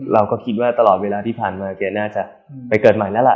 เราก็คิดว่าตลอดเวลาที่ผ่านมาแกน่าจะไปเกิดใหม่แล้วล่ะ